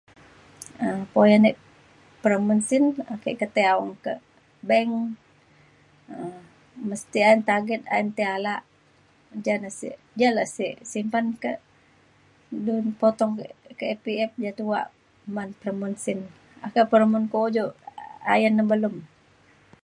um puyan e ake ke tai aong kak bank um mesti an target ayen tai alak nca da sek ja le sek simpan kak du potong ke EPF ja tuak man peremun sin. apan po ujok ayen na belum.